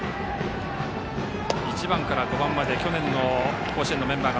１番から５番まで去年の甲子園のメンバーが